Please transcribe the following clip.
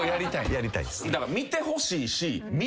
・やりたいです。